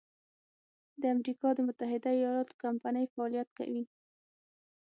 د امریکا د متحد ایلااتو کمپنۍ فعالیت کوي.